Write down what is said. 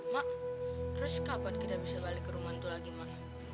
mak terus kapan kita bisa balik ke rumah itu lagi mak